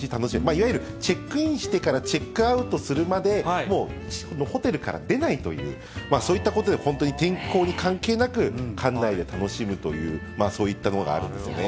いわゆる、チェックインしてからチェックアウトするまで、もうホテルから出ないということで、そういったことで本当に天候に関係なく、館内で楽しむという、そういったものがあるんですね。